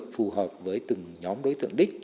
phù hợp với từng nhóm đối tượng đích